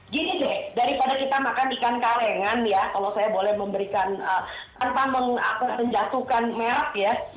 gini deh daripada kita makan ikan kalengan ya kalau saya boleh memberikan tanpa menjatuhkan merk ya